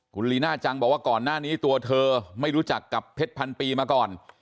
คุณลีน่าจังบอกว่าก่อนหน้านี้ตัวเธอไม่รู้จักกับเพชรพันปีมาก่อน